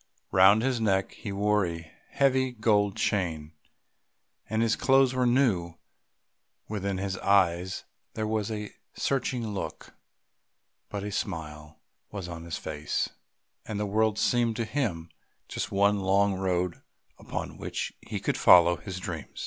Round his neck he wore a heavy golden chain, and his clothes were new; within his eyes there was a searching look, but a smile was on his face, and the world seemed to him just one long road upon which he could follow his dream.